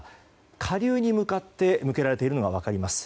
下流に向かって向けられているのが分かります。